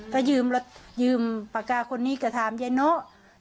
เคยยืมปากกาคนนี้ก็ทำยังไง